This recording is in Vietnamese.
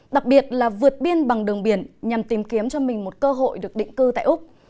đặc biệt là vượt biên bằng đường biển nhằm tìm kiếm cho mình một cơ hội được định cư tại úc